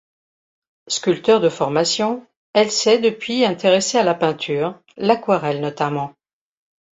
Sculpteur de formation, elle s'est depuis intéressée à la peinture, l'aquarelle notamment.